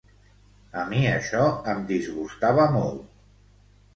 A mi això em disgustava molt.